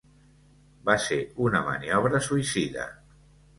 Va ser una maniobra suïcida.